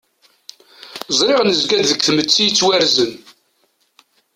Ẓriɣ nezga-d deg tmetti yettwarzen.